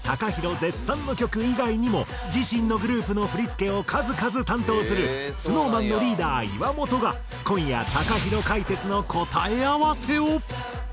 絶賛の曲以外にも自身のグループの振付を数々担当するＳｎｏｗＭａｎのリーダー岩本が今夜ＴＡＫＡＨＩＲＯ解説の答え合わせを。